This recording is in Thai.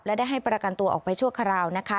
และได้ให้ประกันตัวออกไปชั่วคราวนะคะ